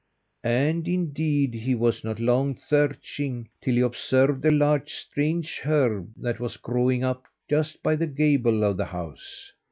And, indeed, he was not long searching till he observed a large strange herb that was growing up just by the gable of the house.